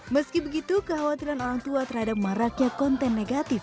meski begitu kekhawatiran orang tua terhadap maraknya konten negatif